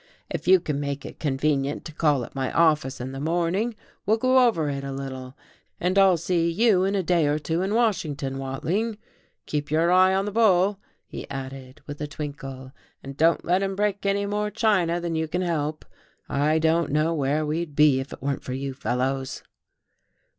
"If you can make it convenient to call at my office in the morning, we'll go over it a little. And I'll see you in a day or two in Washington, Watling. Keep your eye on the bull," he added, with a twinkle, "and don't let him break any more china than you can help. I don't know where we'd be if it weren't for you fellows."